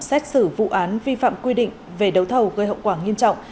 xét xử vụ án vi phạm quy định về đấu thầu gây hậu quả nghiêm trọng